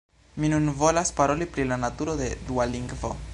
Mi nun volas paroli pri la naturo de dua lingvo.